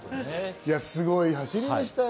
すごい走りでしたよ。